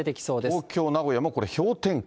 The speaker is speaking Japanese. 東京、名古屋もこれ、氷点下。